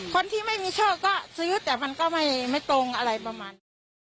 คนที่ไม่มีโชคก็ซื้อแต่มันก็ไม่ตรงอะไรประมาณนี้